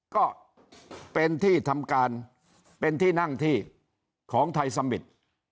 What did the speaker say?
ก็เป็นที่ทำการเป็นที่นั่งที่ของไทยสมิตร